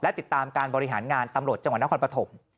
และติดตามการบริหารงานตำรวจจังหวัดนครปฐม